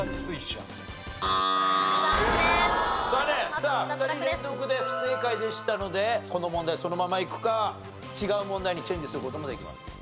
さあ２人連続で不正解でしたのでこの問題そのままいくか違う問題にチェンジする事もできます。